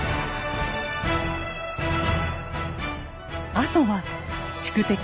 あとは宿敵